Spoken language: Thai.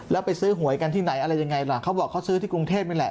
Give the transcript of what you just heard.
แล้วไปซื้อหวยกันที่ไหนอะไรยังไงล่ะเขาบอกเขาซื้อที่กรุงเทพนี่แหละ